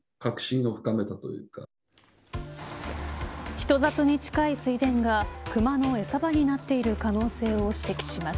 人里に近い水田がクマの餌場になっている可能性を指摘します。